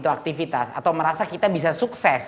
atau merasa kita bisa berhasil